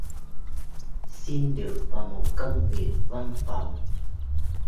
Xin được vào một công việc văn phòng